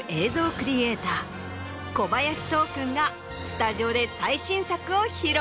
クリエイター小林都央君がスタジオで最新作を披露。